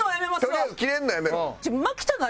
とりあえずキレるのやめろ。